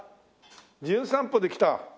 『じゅん散歩』で来た。